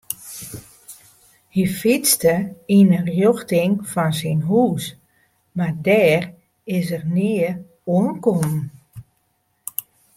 Hy fytste yn 'e rjochting fan syn hús mar dêr is er nea oankommen.